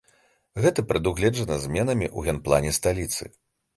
Гэта прадугледжана зменамі ў генплане сталіцы.